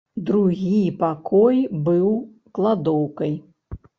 Другі пакой быў кладоўкай.